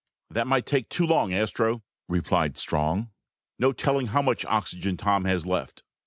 "That might take too long, Astro," replied Strong. "No telling how much oxygen Tom has left."